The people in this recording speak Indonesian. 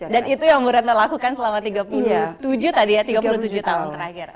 dan itu yang muretna lakukan selama tiga puluh tujuh tahun terakhir